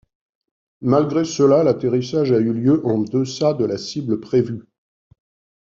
Malgré cela, l'atterrissage a eu lieu en deçà de la cible prévue.